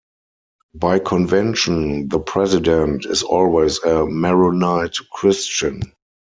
By convention, the president is always a Maronite Christian.